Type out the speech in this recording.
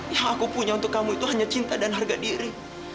yang aku punya untuk kamu itu hanya cinta dan harga diri